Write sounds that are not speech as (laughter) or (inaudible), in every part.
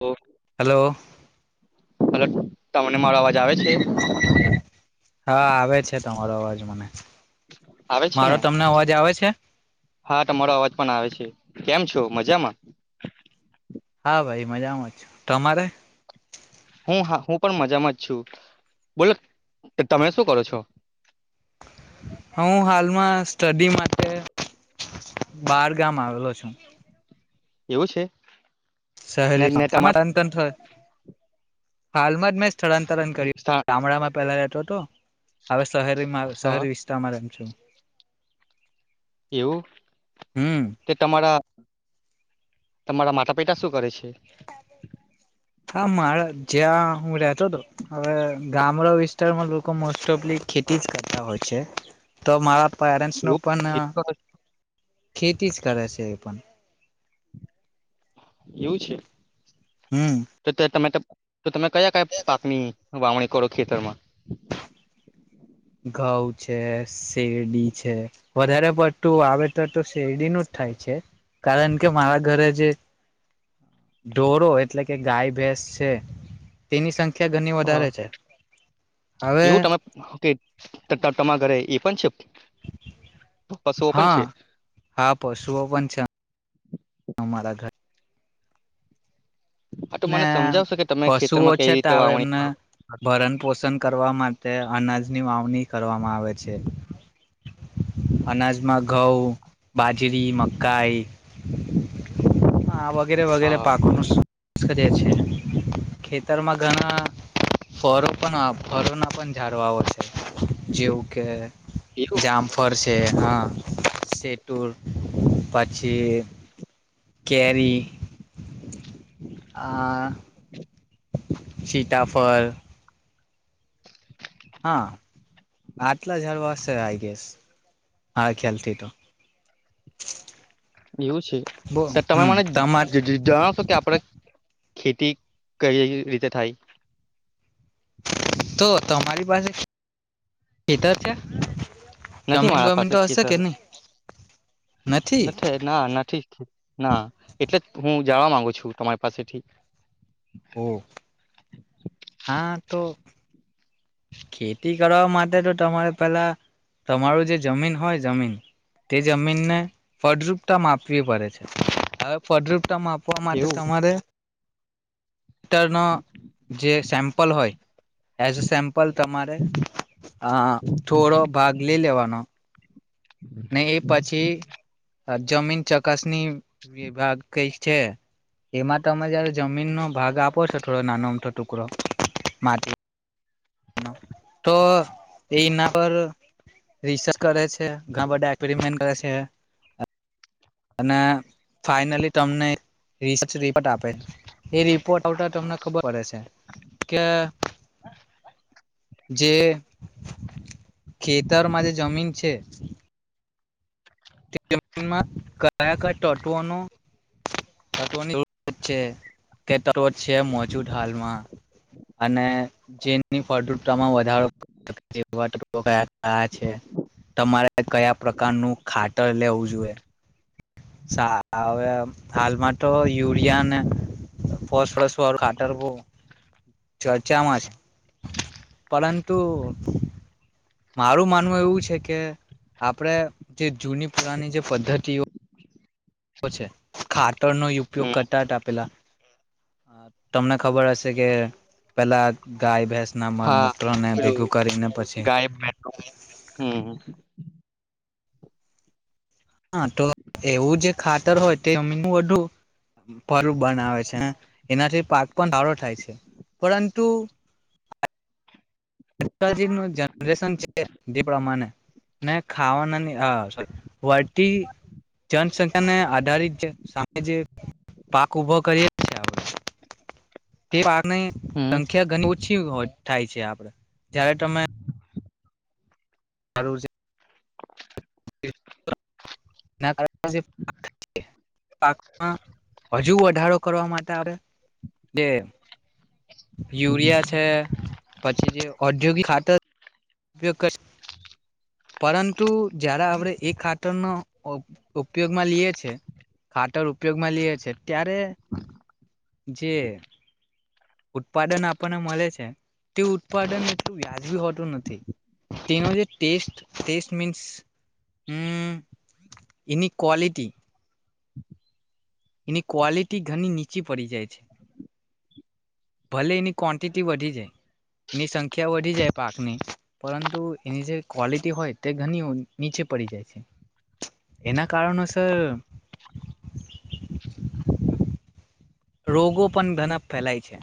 ઓ hello hello તમને મારો અવાજ આવે છે તમાર આવાજ મને આવે છે મારો ને તમને અવાજ આવે છે હા તમારો અવાજ પણ આવે છે કેમ છો મજામાં હા ભાઈ મજામાં જ છે તમારે હું હું પણ મજામાં જ છું બોલો તમે શું કરો છો હું હાલમાં સ્ટડી માટે બાર ગામ આવેલો છું એવું છે ને શહેરી ને તમાર આ ત ત હોય હાલમાંરી મેં સ્થળાંતરણ સ્થા કર્યું ગામડામાં પેલા તો હ શહેરીમાં હા શહેરી વિસ્તારમાં રમ છું એવું હમ તે તમારા તમારા માતા પિતા શું કરે છે. હા મારા જ્યાં હું રહેતો હતો હવે ગામડા વિસ્તારમાં લોકો મોસ્ટ ઓફલી ખેતી જ કરતા હોય છે, તો મારા પેરે ન એવું પણ ખેતી ન કરો છો? ખેતી જ કરે છે એ પણ એવું છે. હમ તો તમે તો તમે કયા કયા પાકની વાવણી કરો ખતાર માં ગઉં છે. શેરડી છે. વધારે પડતું વાવેતર તો શેરડીનું જ થાય છે, કારણ કે મારા ઘરે જે ઢોરો એટલે કે ગાય ભેંસ છે તેની સંખ્યા સંખ્યા ઘરની હા વધારે છે હવે ટટાટમાં ઘરે એ પણ છે. પશુઓ પણ છે હા હા પશુઓ પણ છે અમારા ઘર હા તો ને મને સમજાવશો કે તમે પશુઓ ખેતરમાં કઈ છે તો રીતે હ વાવણી એમને કરો ભરણ પોષણ કરવા માટે અનાજ ની વાવણી કરવામાં આવે છે. અનાજમાં ઘઉં બાજરી, મકાઈ હા વગેરે વગેરે હા પાખનું કરી (unintelligible) ખેતરમાં ઘણા ફરો પણ ફરોના પણ ઝડવા આવ છે. જેવું કે એવું જામફર છે. હા સતુર પ પ છી. કેરી આ સીતાફળ, હા આટલા જારવાસ આઈ ગયસ હા ખ્યાલ થી તો એવું બો છે તમે હમ મને તમાર જણાવશો કે આપડ ખેતી કઈ રીતે થાય. તો તમારી પાસે ખેતર છે. નથી જામન વામન તો આશે કેની ના થ ના ના ઠી ના એટલે હું જવા માંગુ છું તમારી પાસેથી ઓ હા, તો. ખેતી કરવા માટે તો તમારે પેલા તમારું જે જમીન હોય જમીન તે જમીનને ફળદુપતા માપવી પડે છે હવે ફળ માપવા માટે એવું તમારે ટરનો જે સેમ્પલ હોય એઝ સેમ્પ તમારે, અા થોડો ભાગ લઈ લેવાનો. ને એ પછી જમીન ચકાસણી વિભાગ કઈ છે એમાં તમે જયારે જમીનનોો ભાગ આપો છો થોડો નાનો મોટો ટુકડો માંથી તો એ એના પર રિસર્ચ કરે છે. ઘણા બધા એક્સપેરિમેન્ટ કરે છે. અને ફાઈનલી તમને, રીસચરી બધા આપે એ રી પોતે તે તમને ખબર પડે છે કે હ (unintelligible) જે, ખેતરમાં જે જમીન છે. જમીનમાં કયા કયા તત્વોનું તત્વોની છે તત્વ છે મોજૂદ હાલમાં અને જેની ફળદુતામાં વધારો તેવા તત્વો કયા કયા છે તમારે કયા પ્રકારનું ખાતર લેવું જોઈએ. હવે, હાલમાં તો યુરિયા ને ફસસ ખાતરવું ચર્ચામાં છે. પરંતુ મારું માનવું એવું છે કે, આપણેે જે જૂની પુરાની જે પદ્ધતિઓ પછી ખાતરનોો ઉપયોગ હમ, કરતા હતા આપેલા તમને ખબર હશે કે, પેલા ગાય ભેસ ના માળ હા મૂત્રને પેલું ભેગું કરીને પછી ગાય ભેંસ. હમ હા, તો એવું જે ખાતર હોય તે (unintelligible) પર બનાવે છે એનાથી પાક પણ સારો થાય છે પરંતુ આજકાલ ન જનરેશન છે જે પ્રમાણે ને ખાવાનાની હા વળતી જનસંખ્યાને આધારિત સામે જે પાક ઉભો કરીએી છે તે પાકની હમ સંખ્યા ઘણી ઓછી હોય થાય છે આપણે જયારે તમે હારું છે. જ (unintelligible) હજુ વધારો કરવા માટે જે યુરિયા છે પછી જે ઔદ્યોગિક ખાતર ઉપયોગ (inaudible) પરંતુ જયારે આપણે એ ખાતરનો ઉપયોગમાં લઈએ છે ખાતર ઉપયોગમાં લઈએ છે ત્યારે જે ઉત્પાદન આપણને મળે છે તે ઉત્પાદન એટલું વ્યાજબી હોતું નથી. તેનો જે ટેસ્ટ ટેસ્ટ મીન્સ હમ એની ક્વોલિટી. એની ક્વોલિટી ઘણી નીચી પડી જાય છે ભલે એની ક્વન્ટિટી વધી જાય એની સંખ્યા વધી જાય પાકની પરંતુ એની જે ક્વોલિટી હોય તે ઘણી નીચે પડી જાય છે એના કારણોસર રોગો પણ ઘનક ફેલાય છે.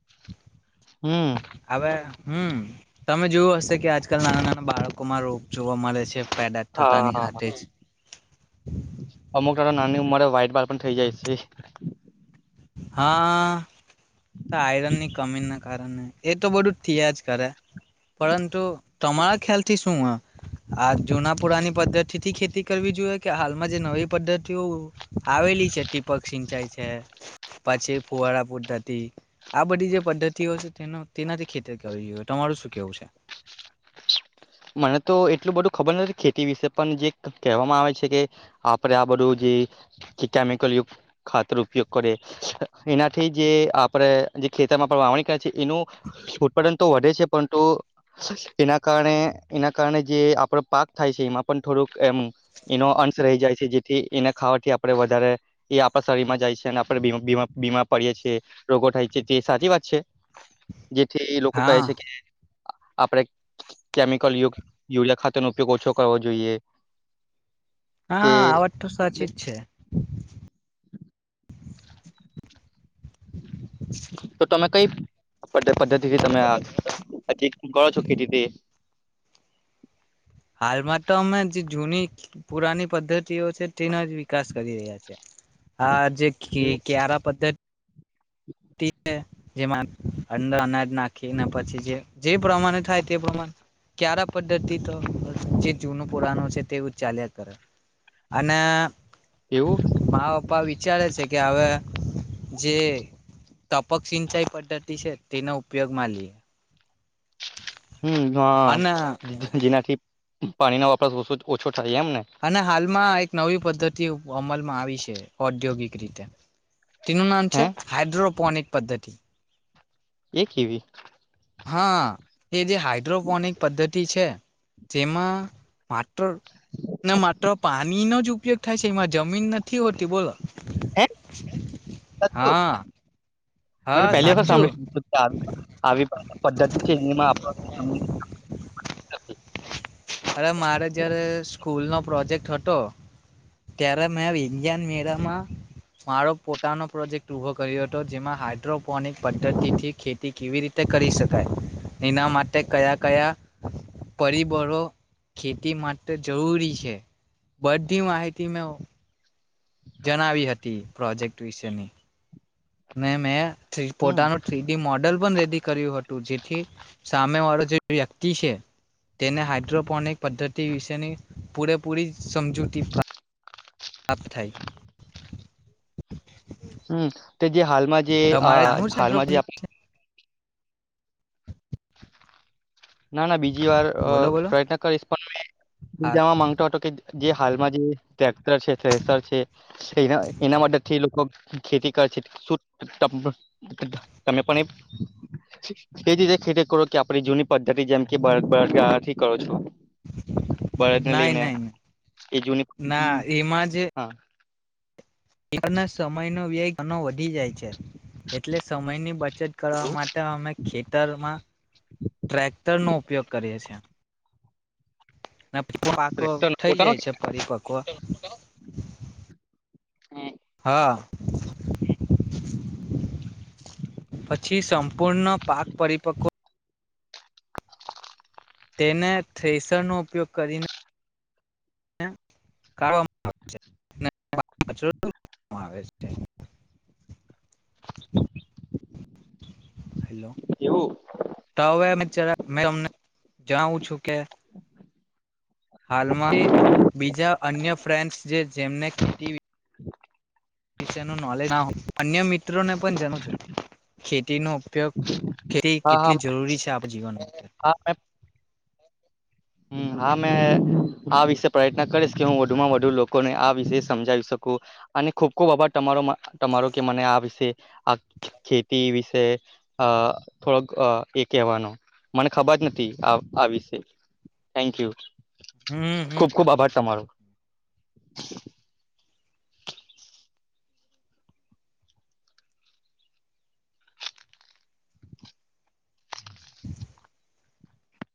(inaudible) હમ હવે હમ, તમે જોયું હશે કે આજકાલ નાના નાના બાળકો માં રોગ જોવા મળે છે. પેદાજ થતાની હા સાથેજ. (inaudible) અમુક નેતો નાની ઉંમરે વ્હાઈટ બાલ પણ થઈ જાય છે. હા, આયરનની કમીના કારણે એ તો બધું થિયા જ કરે પરંતુ તમારા ખ્યાલથી શું આ જૂના પુરાની પદ્ધતિથી ખેતી કરવી જોઈએ કે હાલમાં જે નવી પદ્ધતિઓ આવેલી છે ટીપક સિંચાઈ છે. પાછી ફુવાડા પુદ્ધતિ આ બધી જે પદ્ધતિઓ છે તેનો તેનાથી ખેતી કરવી જોઈએ તમારું શું કેવું છે? મને તો એટલું બધું ખબર નથી ખેતી વિશે પણ જે કહેવામાં આવે છે કે આપણે આ બધું જે કેમિકલયુ ખાતર ઉપયોગ કરે એનાથી જે આપરે જે ખેતરમાં પણ વાવણી કરે છે એનું ઉત્પાદન તો વધે છે પરંતુ એના કારણે એના કારણે જે આપડો પાક થાય છે એમાં પણ થોડુંક એમ એનો અંશ રહી જાય છે જેથી એને ખાવાથી આપણે વધારે એ આપણા શરીરમાં જાય છે અને આપણે બીમાર પડીએ છીએ, રોગો થાય છે તે સાચી વાત છે? જેથી લોકો કહે હા છે કે આપડે કેમી કલ યુક્ત યુયા ખાતર નો ઉપયોગ ઓછો કરવો જોઈએ. તે હા, આ વાત તો સાચી જ છે. તો તમે કઈ પદ પદ્ધતિથી તમે આય થીક કરો છો કે ખેતી હાલમાં તો અમે જે જૂની પુરાની પદ્ધતિઓ છે તેના જ વિકાસ કરી રહ્યા છે આ જે કે ક્યારા પદ્ધત હ તિ ને જેમાં અંદર અનાજ નાખીને પછી જે જે પ્રમાણે થાય તે પ્રમાણ ક્યારા પદ્ધતિ તો જે જૂનું પુરાનું છે તેવુ જ ચાલ્યા કરે અને એવું મારા પપ્પા વિચારે છે કે હવે જેે તપક સિંચાઈ પદ્ધતિ છે તેનો ઉપયોગ માલીએ. હમ હ અને જેથી જેનાથી પાણી નો વાપરાસ ઓછો જ ઓછો જ અને હાલમાં એક નવી પદ્ધતિ ઉપ અમલમાં આવી છે ઔદ્યોગિક રીતે. તેનું નામ હે છે હાઇડ્રોપોનીક. પદ્ધતિ એ કેવી? હા. એ જે હાઇડ્રોપોનિક પદ્ધતિ છે જેમાં માત્ર ને માત્ર પાણીનો જ ઉપયોગ થાય છે એમાં જમીન નથી હોતી બોલો. હે સાચું હા. હા મે પહેલી વખત સાચું સાંભળી આવી પદ્ધતિ છે એમાં આપ (unintelligible) (inaudible) અરે મારે જ્યારે સ્કૂલનો પ્રોજેક્ટ હતો ત્યારે મેં વિગ્યાન મેરામાં મારો પોતાનો પ્રોજેક્ટ ઊભો કર્યો હતો જેમાં હાઇડ્રોપોનિક પદ્ધતિથી ખેતી કેવી રીતે કરી શકાય એના માટે કયા કયા પરિબળો ખેતી માટે જરૂરી છે બધી માહિતી મે જણાવી હતી. પ્રોજેક્ટ વિશેની. મેં મેળ થી હમ પોતાનું થ્રી ડી મોડેલ પણ રેડી કર્યું હતું જે થી સામે વાળો જે વ્યક્તિ છે તેને હઇડ્રોપોનિક પદ્ધતિ વિશેની પૂરેપૂરી સમજૂતી પ્રા પ્ત થાય. હમ. તો જે હાલમાં જે અ તમારે આનું જ હાલમાં જે હાઇડ્રોપોનિક આપણે ના ના બીજી વાર અ બોલો બોલો પ્રયત્ન કરીશ પણ હું મેં હા જાવા માંગતો હતો કે જે હાલમાં જે ત્યા એના મદદ થી લોકો ખેતી કર છે શ તમે પણ તે જ રીતે ખેતી કરો કે આપડી જૂની પદ્ધતિ જેમ કે ભત ભર ગથી કરો છો બળદને ના લઈને ના એ જૂની ના હા એક ના સમય ન વ્યય ઘણો વધી જાય છે એટલે સમયની બચત કરવા માટે અમે ખેતરમાં ટ્રેક્ટર નો ઉપયોગ કરીએ છ છેએ ના પાકો થઇ જાય છે પરિપક્વ હા હા પછી સમભ પૂર્ણ પાક પરરીિપક્વ (inaudible) તેને થ્રેસરનોો ઉપયોગ કરીને કાવામાં આવે છે હેલો એવું તો હવે મે અમને જણાવું છું કે હાલમાં બીજા અન્ય ફ્રેન્ડ્સ જેમને ખતી (inaudible) વિષયનું નોલેજ ના અન્ય મિત મિત્રો ને પણ જાણ છો છે ખેતીનોો ઉપયોગ ખેતી હા હા કેટલી જરૂરી છે આપણા જીવન ઉપ હ હા મે આ વિષ પ્રયત્ન કરીશ કે હું વધુમાં વધુ લોકોને આ વિશે સમજાવી શકું અને ખુબ ખૂબ આભાર તમારો તમારો કે મને આ વિષ આ ખેતી વિશે થોડોક એ કહેવાનો મને ખબર જ નથી આ આ વિશે થેન્ક યુ હમ હમ ખુબ ખુબ આભાર તમારો (inaudible)